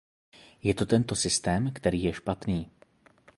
Je to tento systém, který je špatný.